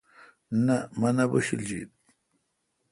نہ مہ نہ بوݭلجیت۔